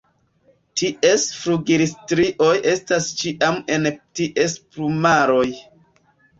Ties flugilstrioj estas ĉiam en ties plumaroj.